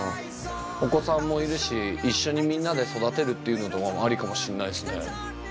お子さんもいるし一緒にみんなで育てるっていうのとかもありかもしれないですね。